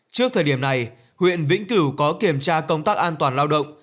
trước thời điểm này huyện vĩnh cửu có kiểm tra công tác an toàn lao động